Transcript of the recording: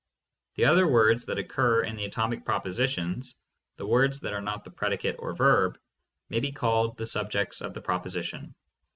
The other words that occur in the atomic propositions, the words that are not the predicate or verb, may be called the subjects of the proposition.